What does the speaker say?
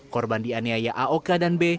korban dianiaya a oka dan b